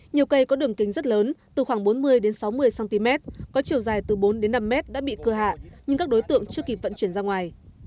nhiều cây có đường kính rất lớn từ khoảng bốn mươi sáu mươi cm có chiều dài từ bốn năm m đã bị cưa hạ nhưng các đối tượng chưa kịp vận chuyển ra ngoài